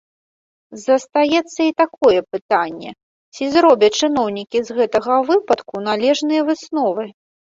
Застаецца і такое пытанне, ці зробяць чыноўнікі з гэтага выпадку належныя высновы.